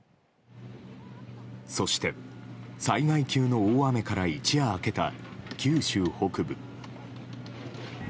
そして、災害級の大雨から一夜明けた九州北部。